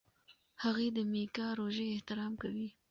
هغې د میکا روژې احترام کوي.